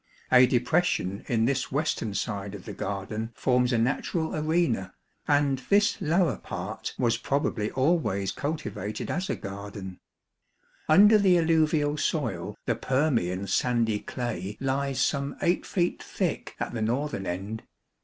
A depression in this western side of the garden forms a natural arena, and this lower part was probably always cultivated as a garden : under the alluvial soil the Permian sandy clay lies some 8 feet thick at the northern end.